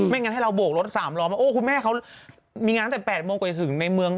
งั้นให้เราโบกรถ๓ล้อมาโอ้คุณแม่เขามีงานตั้งแต่๘โมงกว่าจะถึงในเมือง